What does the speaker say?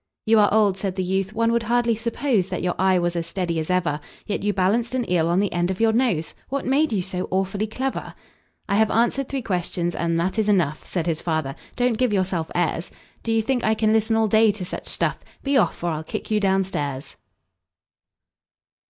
"You are old," said the youth, "one would hardly suppose That your eye was as steady as ever; Yet you balanced an eel on the end of your nose What made you so awfully clever?" "I have answered three questions, and that is enough," Said his father. "Don't give yourself airs! Do you think I can listen all day to such stuff? Be off, or I'll kick you down stairs.